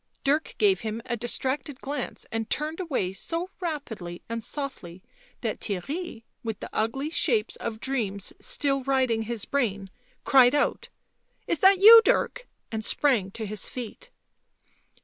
Dirk gave him a distracted glance and turned away so rapidly and softly that Theirry, with the ugly shapes of dreams still riding his brain, cried out :" Is that you, Dirk?" and sprang to his feet.